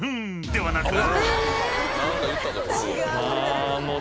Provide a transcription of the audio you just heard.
［ではなく］